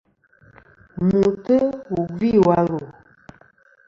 Mùtɨ wù gvi wà lu.